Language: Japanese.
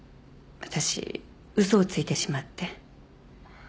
私嘘をついてしまって。